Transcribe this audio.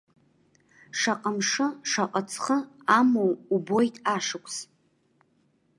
Шаҟа мшы, шаҟа ҵхы амоу убоит ашықәс.